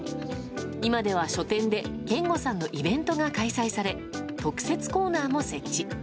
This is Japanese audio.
今では書店でけんごさんのイベントが開催され特設コーナーも設置。